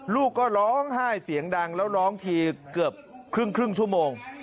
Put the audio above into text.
ลูกก็ร้องไห้เสียงดังแล้วร้องทีเกือบครึ่งชั่วโมง